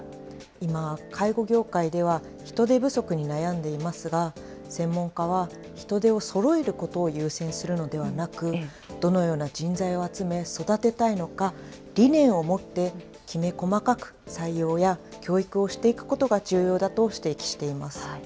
今、介護業界では人手不足に悩んでいますが、専門家は、人手をそろえることを優先するのではなく、どのような人材を集め、育てたいのか、理念を持ってきめ細かく採用や教育をしていくことが重要だと指摘しています。